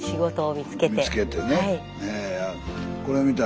見つけてね。